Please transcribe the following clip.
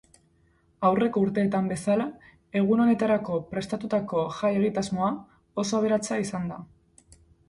Aurreko urteetan bezala, egun honetarako prestatutako jai-egitasmoa oso aberatsa izan da.